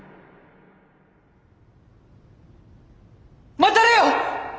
待たれよ！